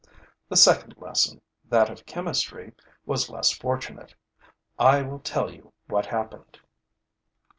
The second lesson, that of chemistry, was less fortunate. I will tell you what happened.